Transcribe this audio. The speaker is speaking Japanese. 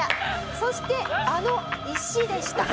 そしてあの石でした。